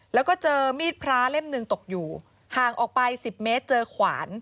แล้วก็เจอมีดพระเล่มหนึ่งตกอยู่ห่างออกไป๑๐เมตรเจอขวาน